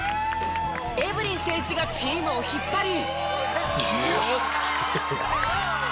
エブリン選手がチームを引っ張り。